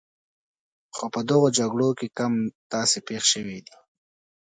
خو په دغو جګړو کې کم داسې پېښ شوي دي.